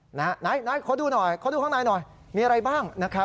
ไหนขอดูหน่อยข้างในหน่อยมีอะไรบ้าง